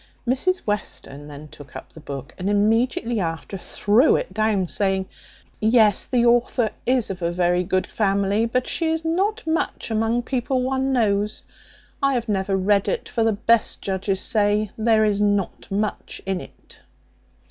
Mrs Western then took up the book, and immediately after threw it down, saying "Yes, the author is of a very good family; but she is not much among people one knows. I have never read it; for the best judges say, there is not much in it."